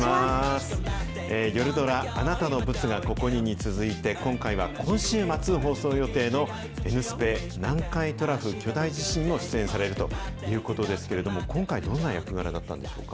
夜ドラ、あなたのブツが、ここにに続いて、今回は今週末放送予定の、Ｎスぺ、南海トラフ巨大地震にも出演されるということですけれども、今回、どんな役柄だったんでしょうか。